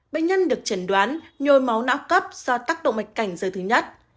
bệnh nhân được chẩn đoán nhồi máu não cấp do tác động mạch cảnh giới thứ nhất